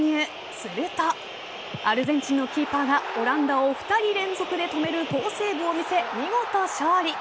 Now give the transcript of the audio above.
するとアルゼンチンのキーパーがオランダを２人連続で止める好セーブを見せ見事勝利。